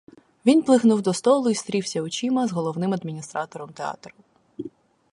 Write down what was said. Він плигнув до столу й стрівся очима з головним адміністратором театру.